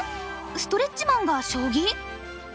ストレッチマンが将棋？